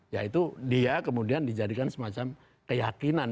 yaitu dia kemudian dijadikan semacam keyakinan